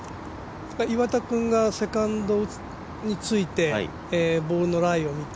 岩田君がセカンドについてボールのライを見て